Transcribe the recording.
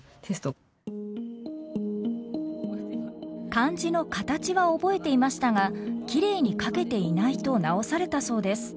漢字の形は覚えていましたがきれいに書けていないと直されたそうです。